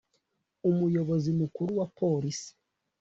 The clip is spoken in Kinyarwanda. Umuyobozi Mukuru wa Polisi